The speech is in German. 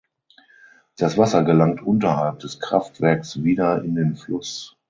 Das Wasser gelangt unterhalb des Kraftwerks wieder in den Fluss.